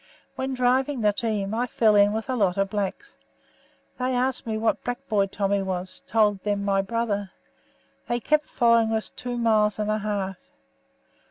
When driving the team, I fell in with a lot of blacks. They asked me what black boy Tommy was; told them my brother. They kept following us two miles and a half.